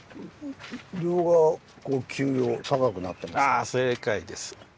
ああ正解です。